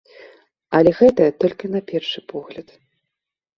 Але гэтая толькі на першы погляд.